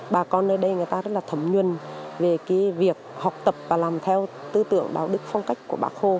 bà con ở đây người ta rất là thấm nhuân về cái việc học tập và làm theo tư tưởng báo đức phong cách của bà khô